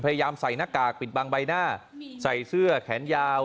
ใส่หน้ากากปิดบังใบหน้าใส่เสื้อแขนยาว